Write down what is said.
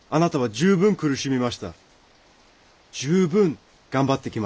十分頑張ってきました。